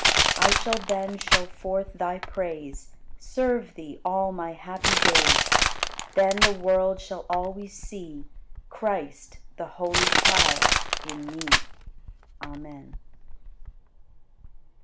I shall then show forth Thy praise, Serve Thee all my happy days; Then the world shall always see Christ, the holy Child, in me. Amen.